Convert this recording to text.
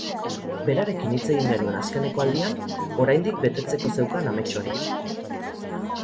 Berarekin hitz egin genuen azkeneko aldian, oraindik betetzeko zeukan amets hori.